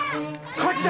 火事だ！